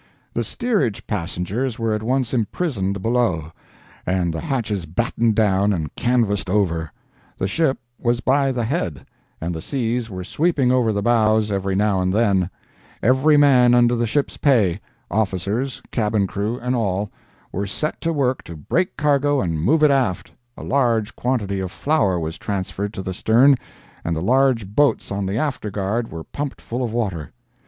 The steerage passengers were at once imprisoned below, and the hatches battened down and canvassed over; the ship was by the head, and the seas were sweeping over the bows every now and then; every man under the ship's pay—officers, cabin crew and all—were set to work to break cargo and move it aft; a large quantity of flour was transferred to the stern, and the large boats on the after guard were pumped full of water.